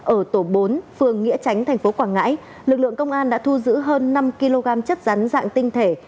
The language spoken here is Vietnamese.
ở tổ bốn phường nghĩa chánh thành phố quảng ngãi lực lượng công an đã thu giữ hơn năm kg chất rắn dạng tinh thể